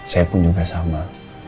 saya pun juga sama